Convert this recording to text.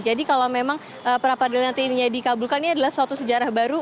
jadi kalau memang pra peradilan yang ternyata dikabulkan ini adalah suatu sejarah baru